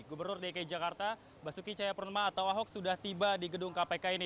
gubernur dki jakarta basuki cahayapurnama atau ahok sudah tiba di gedung kpk ini